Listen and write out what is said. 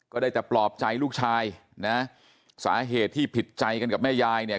ก็ได้แต่ปลอบใจลูกชายนะสาเหตุที่ผิดใจกันกับแม่ยายเนี่ย